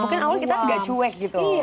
mungkin awalnya kita tidak cuek gitu